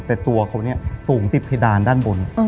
แต่ตัวเขาเนี่ยสูงติดเพดานด้านบน